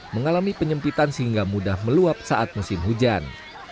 mengalami penyempitan sehingga mudah meluap saat musim hujan